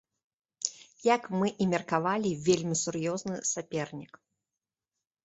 Як мы і меркавалі, вельмі сур'ёзны сапернік.